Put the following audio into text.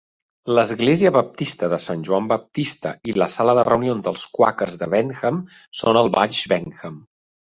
L'església baptista de Sant Joan Baptista i la sala de reunions dels quàquers de Bentham són al Baix Bentham.